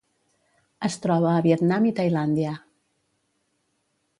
Es troba a Vietnam i Tailàndia.